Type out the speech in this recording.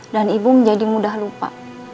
dan ibu menjadi mudah lupa